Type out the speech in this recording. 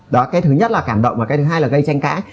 đó cái thứ nhất là cảm động và cái thứ hai là gây tranh cãi